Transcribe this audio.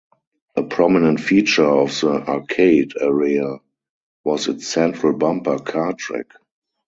A prominent feature of the arcade area was its central bumper car track.